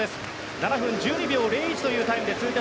７分１２秒０１というタイム。